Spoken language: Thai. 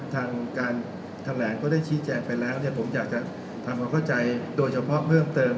ทางการแถลงก็ได้ชี้แจงไปแล้วผมอยากจะทำความเข้าใจโดยเฉพาะเพิ่มเติม